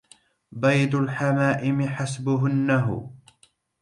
بيض الحمائم حسبهنه